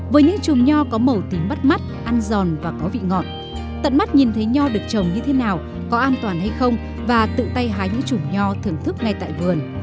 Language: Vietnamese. với những chùm nho có màu tím bắt mắt ăn giòn và có vị ngọt tận mắt nhìn thấy nho được trồng như thế nào có an toàn hay không và tự tay hái những chùm nho thưởng thức ngay tại vườn